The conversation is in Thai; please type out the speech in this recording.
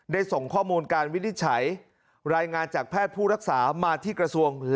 ส่งข้อมูลการวินิจฉัยรายงานจากแพทย์ผู้รักษามาที่กระทรวง